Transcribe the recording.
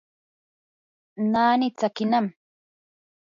naani tsakinami.